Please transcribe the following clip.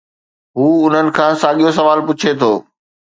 هو انهن کان ساڳيو سوال پڇي ٿو